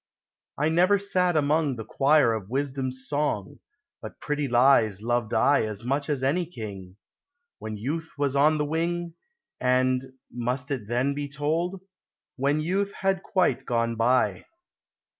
I never sat among The choir of Wisdom's song, But pretty lies loved I As much as any king, — When youth was on the wing, And (must it then be told ?) when youth had quite gone by.